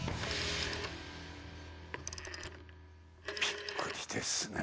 びっくりですね。